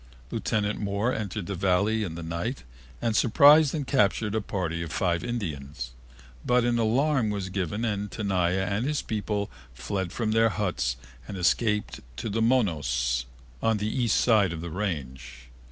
Lieutenant Moore entered the Valley in the night and surprised and captured a party of five Indians, but an alarm was given and Tenaya and his people fled from their huts and escaped to the Monos on the east side of the Range.